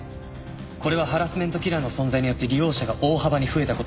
これはハラスメントキラーの存在によって利用者が大幅に増えた事によるもの。